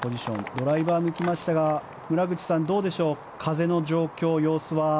ドライバーを抜きましたが村口さん、どうでしょう風の状況、様子は？